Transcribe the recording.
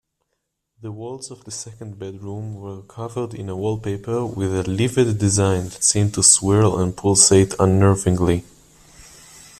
The walls of the second bedroom were covered in a wallpaper with a livid design that seemed to swirl and pulsate unnervingly.